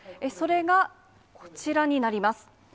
それがこちらになります。